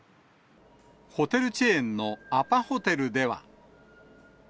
ホテルチェーンのアパホテルでは。